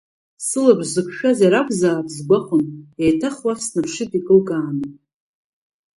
Сылаԥш зықәшәаз иара акәзаап сгәахәын, еиҭах уахь снаԥшит икылкааны.